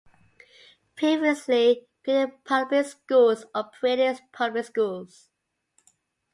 Previously Grady Public Schools operated public schools.